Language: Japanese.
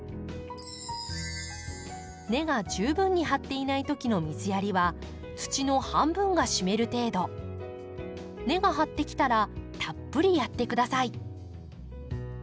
根が十分に張っていない時の水やりは根が張ってきたらたっぷりやって下さい。